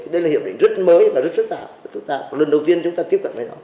đây là hiệp định rất mới và rất sức tạp lần đầu tiên chúng ta tiếp cận với nó